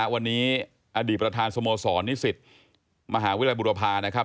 วันนี้อดีตประธานสโมสรนิสิตมบุรพานะครับ